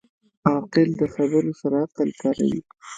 عاقل د خبرو سره عقل کاروي.